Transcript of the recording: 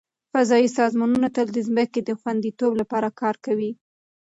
فضایي سازمانونه تل د ځمکې د خوندیتوب لپاره کار کوي.